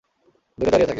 দূরে দাঁড়িয়ে থাকে।